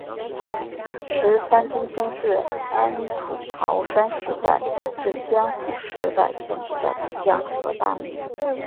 石川贞清是安土桃山时代至江户时代前期的武将和大名。